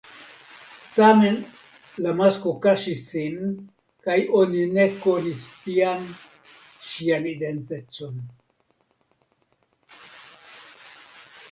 Tamen la masko kaŝis sin kaj oni ne konis tiam ŝian identecon.